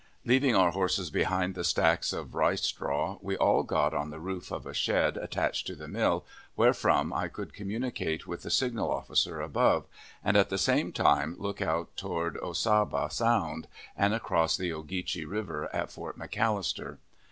Leaving our horses behind the stacks of rice straw, we all got on the roof of a shed attached to the mill, wherefrom I could communicate with the signal officer above, and at the same time look out toward Ossabaw Sound, and across the Ogeechee River at Fort McAllister.